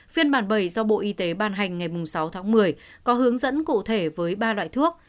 phiên bản bảy do bộ y tế ban hành ngày sáu tháng một mươi có hướng dẫn cụ thể với ba loại thuốc